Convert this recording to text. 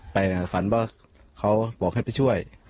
ไปเนมิ่นว่าเขาบอกให้ไปช่วย